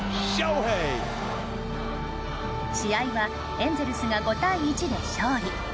試合はエンゼルスが５対１で勝利。